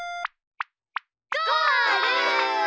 ゴール！